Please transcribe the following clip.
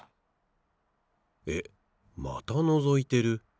えっまたのぞいてる。